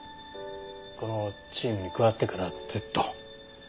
このチームに加わってからずっと。